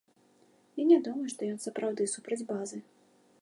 Я не думаю, што ён сапраўды супраць базы.